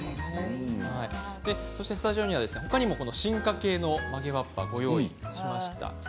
スタジオには進化系の曲げわっぱをご用意しました。